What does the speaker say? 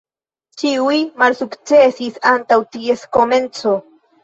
Ĉiuj malsukcesis antaŭ ties komenco.